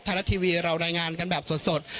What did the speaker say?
รัฐทีวีเรารายงานกันแบบสด